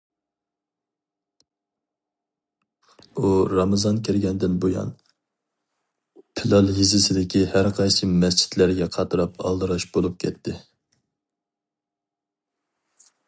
ئۇ رامىزان كىرگەندىن بۇيان پىلال يېزىسىدىكى ھەرقايسى مەسچىتلەرگە قاتراپ ئالدىراش بولۇپ كەتتى.